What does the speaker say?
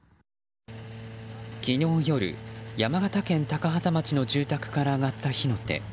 昨日夜、山形県高畠町の住宅から上がった火の手。